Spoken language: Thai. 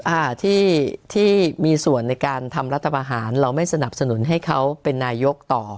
อ่าที่ที่มีส่วนในการทำรัฐบาหารเราไม่สนับสนุนให้เขาเป็นนายกต่อ